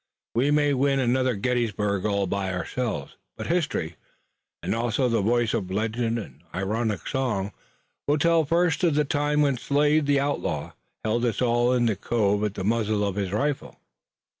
We may win another Gettysburg all by ourselves, but history and also the voice of legend and ironic song will tell first of the time when Slade, the outlaw, held us all in the cove at the muzzle of his rifle."